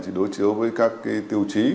thì đối chiếu với các tiêu chí